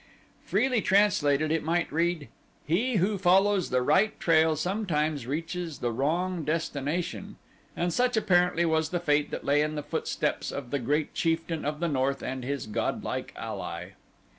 Freely translated it might read, "He who follows the right trail sometimes reaches the wrong destination," and such apparently was the fate that lay in the footsteps of the great chieftain of the north and his godlike ally.